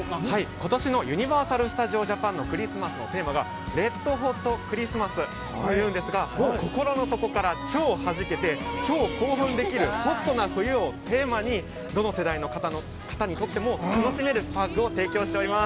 ◆ことしのユニバーサル・スタジオ・ジャパンのクリスマスのテーマがレッドホットクリスマス。というんですが、心の底から超はじけて超興奮できるホットな冬をテーマに、どの世代の方にとっても楽しめるパークを提供しております。